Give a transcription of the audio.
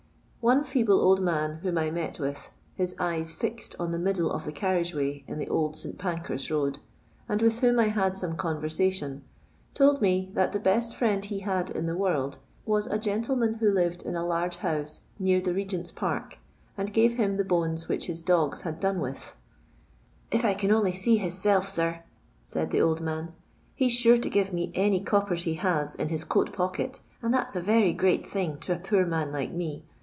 One feeble old man whom I met with, his eyes fixed on tlie middle of the carriage way in the Old St. rancras road, and with whom I had some conversation, told me that the best friend he had in the world was a gentleman who lived in alargrhousenearthe Ilegent's park, and gave him the bones which his dogs had done with 1 '' If I can only see hisself, sir," said the old man, " ho 's sure to give me any coppers he has in his coat pocket, and that's a very great thing to a poor man like me.